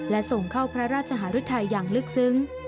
และส่งเข้าพระราชหารุทัยอย่างลึกซึ้ง